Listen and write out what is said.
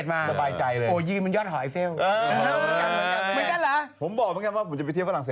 อ่ะยังชี้เกลี้ยง